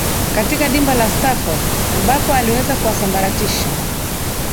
katika dimba la stanford ambapo aliweza kuwasambaratisha